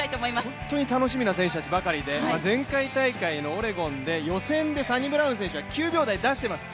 本当に楽しみな選手ばかりで前回大会のオレゴンで予選でサニブラウン選手が９秒台を出しています。